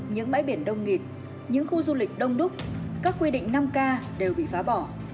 những bãi biển đông nghịt những khu du lịch đông đúc các quy định năm k đều bị phá bỏ